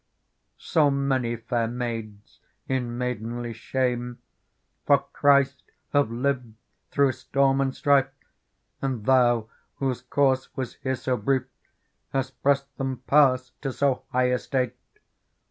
So many fair maids in maidenly shame For Christ have lived through storm and strife. And thou, whose course was here so brief. Hast pressed them past to so high estate.